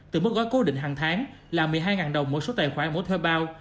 từ mức gói cố định hàng tháng là một mươi hai đồng mỗi số tài khoản mỗi thuê bao